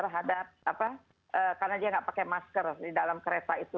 karena dia nggak pakai masker di dalam kereta itu